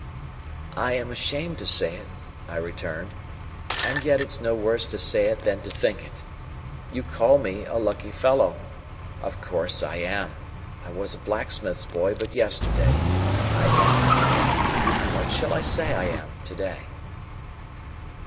"I am ashamed to say it," I returned, "and yet it's no worse to say it than to think it. You call me a lucky fellow. Of course, I am. I was a blacksmith's boy but yesterday; I am—what shall I say I am—to day?"